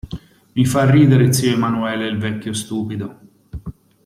Mi fa ridere zio Emanuele, il vecchio stupido.